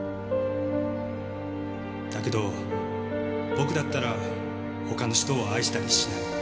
だけど僕だったら他の人を愛したりしない。